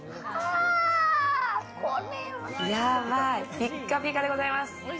やばい、ピカピカでございます！